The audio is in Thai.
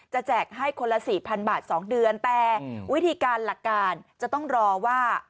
แจกให้คนละ๔๐๐บาท๒เดือนแต่วิธีการหลักการจะต้องรอว่า